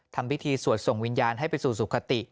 ทำพิธีสวดส่งวิญญาณให้ไปสู่สุขติ